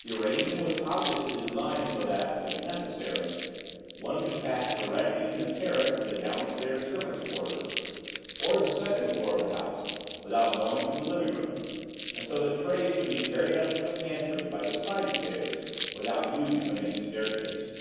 The arrangement was obviously designed so that, if necessary, one could pass directly from the terrace to the downstairs service quarters or the second floor of the house without going through the living room, and so that trays could be carried up from the pantry by the side stairs without using the main staircase.